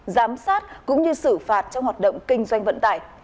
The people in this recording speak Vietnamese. giám sát cũng như xử phạt trong hoạt động kinh doanh vận tải